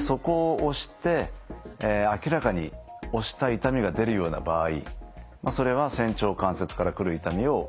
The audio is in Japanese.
そこを押して明らかに押した痛みが出るような場合それは仙腸関節から来る痛みを疑ってください。